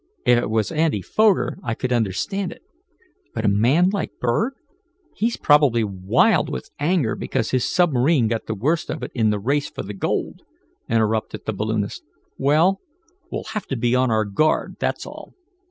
If it was Andy Foger I could understand it, but a man like Berg " "He's probably wild with anger because his submarine got the worst of it in the race for the gold," interrupted the balloonist. "Well, we'll have to be on our guard, that's all.